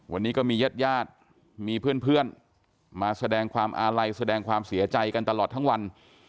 วันนี้ก็มีญาติญาติมีเพื่อนมาแสดงความอาลัยแสดงความเสียใจกันตลอดทั้งวัน